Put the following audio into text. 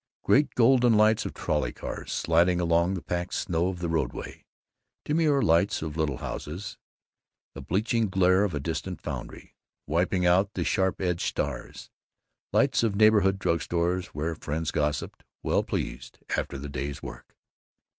Great golden lights of trolley cars sliding along the packed snow of the roadway. Demure lights of little houses. The belching glare of a distant foundry, wiping out the sharp edged stars. Lights of neighborhood drug stores where friends gossiped, well pleased, after the day's work.